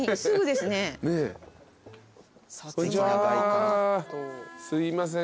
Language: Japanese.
すいません